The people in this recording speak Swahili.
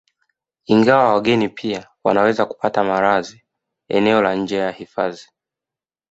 Ingawa wageni pia wanaweza kupata malazi eneo la nje ya hifadhi